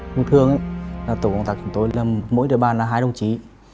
bất thường là tổ công tác của tôi là mỗi đời ban là hai đồng chí